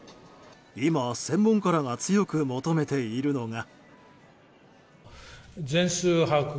今、専門家らが強く求めているのが。